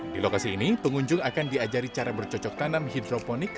di lokasi ini pengunjung akan diajari cara bercocok tanam hidroponik